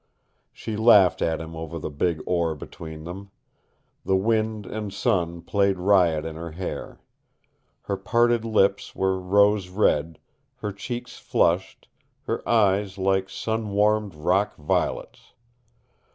She laughed at him over the big oar between them. The wind and sun played riot in her hair. Her parted lips were rose red, her cheeks flushed, her eyes like sun warmed rock violets.